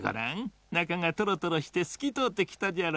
なかがトロトロしてすきとおってきたじゃろ。